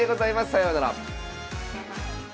さようなら。